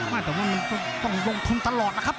ไม่แต่ว่ามันต้องลงทุนตลอดนะครับ